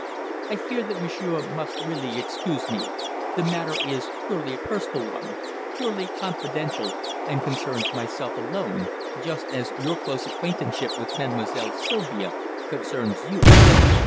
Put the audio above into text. "I fear that monsieur must really excuse me. The matter is purely a personal one purely confidential, and concerns myself alone just just as your close acquaintanceship with Mademoiselle Sylvia concerns you."